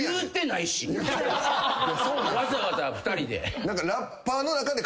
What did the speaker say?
わざわざ２人で。